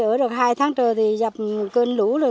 ở được hai tháng trời thì dập cơn lũ rồi